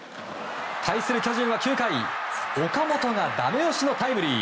対する巨人は９回岡本がダメ押しのタイムリー。